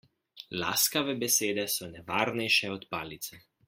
Laskave besede so nevarnejše od palice.